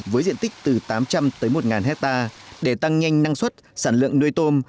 với diện tích từ tám trăm linh tới một hectare để tăng nhanh năng suất sản lượng nuôi tôm